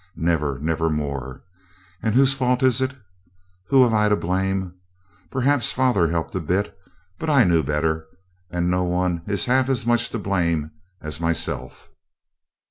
Never, never more! And whose fault is it? Who have I to blame? Perhaps father helped a bit; but I knew better, and no one is half as much to blame as myself.